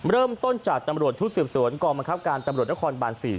เริ่มต้นจากตำรวจชุดสืบสวนกองบังคับการตำรวจนครบาน๔